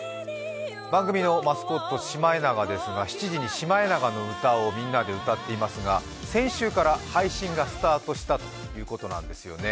番組のマスコットシマエナガですが、７時に「シマエナガの歌」をみんなで歌っていますが先週から配信がスタートしたということなんですね。